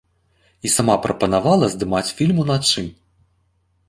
І сама прапанавала здымаць фільм уначы.